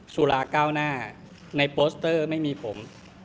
สุราเก้าหน้าในโปสเตอร์ไม่มีผม